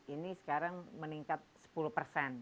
ini sekarang meningkat sepuluh persen